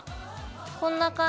こんな感じかな？